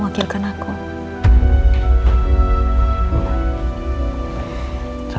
gua bisa ke panti